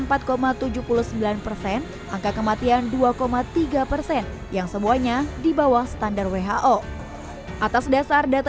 angka tujuh puluh sembilan persen angka kematian dua tiga persen yang semuanya di bawah standar who atas dasar data